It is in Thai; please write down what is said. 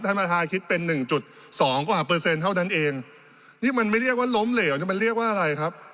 ท่านประธานคิดเป็นหนึ่งจุดสองกว่าเปอร์เซ็นต์เท่านั้นเองนี่มันไม่เรียกว่าล้มเหลวนี่มันเรียกว่าอะไรครับ